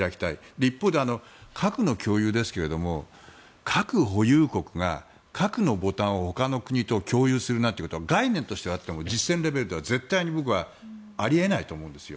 一方で、核の共有ですが核保有国が核のボタンをほかの国と共有するなんていうことは概念としてあっても実戦レベルでは僕はあり得ないと思うんです。